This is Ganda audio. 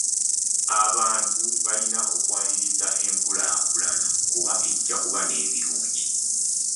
Abantu balina okwaniriza enkulaakulana kuba ejja n'ebirungi.